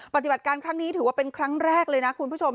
ปฏิบัติการครั้งนี้ถือว่าเป็นครั้งแรกเลยนะคุณผู้ชม